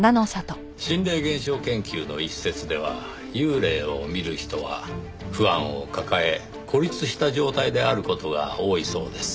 心霊現象研究の一説では幽霊を見る人は不安を抱え孤立した状態である事が多いそうです。